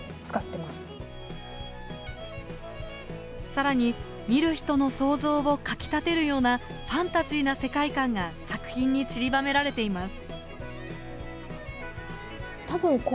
さらに見る人の想像をかきたてるようなファンタジーな世界観が作品にちりばめられています。